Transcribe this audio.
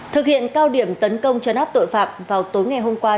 thực hiện cao điểm tấn công chấn áp tội phạm vào tối ngày hôm qua